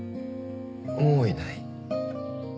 もういない？